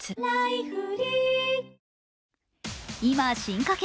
今進化系